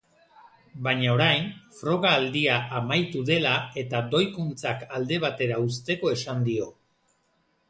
Baina orain, froga-aldia amaitu dela eta doikuntzak alde batera uzteko esan dio.